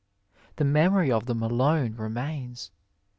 The memory of them alone re mains.